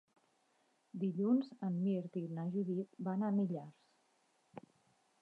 Dilluns en Mirt i na Judit van a Millars.